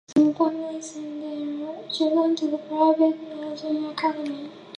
Some families send their children to the private Elgin Academy.